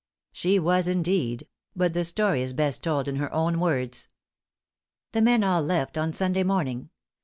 _" She was indeed; but the story is best told in her own words: "The men all left on Sunday morning.